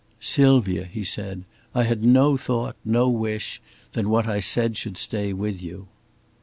"Sylvia," he said, "I had no thought, no wish, that what I said should stay with you."